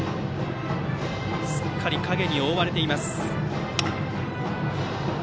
すっかり影に覆われています。